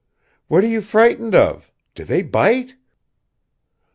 "What are you frightened of? Do they bite?"